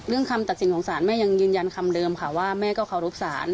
คำตัดสินของศาลแม่ยังยืนยันคำเดิมค่ะว่าแม่ก็เคารพศาล